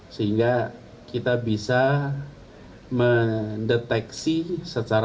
sehingga kita bisa mendeteksi secara